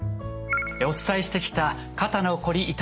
お伝えしてきた肩のこり